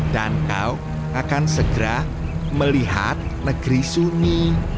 dan kau akan segera melihat negeri sunyi